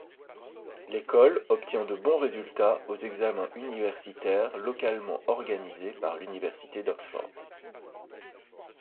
L'école obtient de bons résultats aux examens universitaires localement organisés par l'université d'Oxford.